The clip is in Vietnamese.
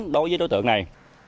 đối với đối tượng này